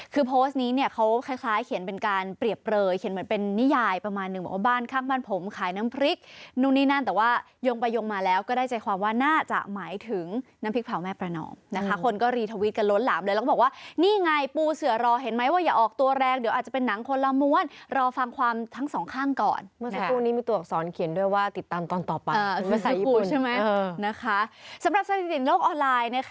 คือโพสต์นี้เนี่ยเขาคล้ายเขียนเป็นการเปรียบเปลยเขียนเหมือนเป็นนิยายประมาณนึงว่าบ้านข้างบ้านผมขายน้ำพริกนู่นนี่นั่นแต่ว่ายงไปยงมาแล้วก็ได้ใจความว่าน่าจะหมายถึงน้ำพริกเผาแม่ประนอมนะคะคนก็รีทวิตกันล้นหลามเลยแล้วก็บอกว่านี่ไงปูเสือรอเห็นไหมว่าอย่าออกตัวแรงเดี๋ยวอาจจะเป็นหนังคนละมวลรอ